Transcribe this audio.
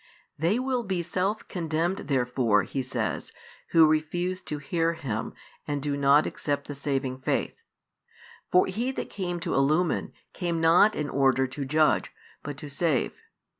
They will be self condemned therefore, He says, who refuse to hear Him and do not accept the saving faith. For He that came to illumine, came not in order to judge, but to save.